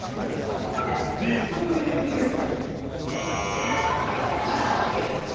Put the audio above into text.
リップクリームケース。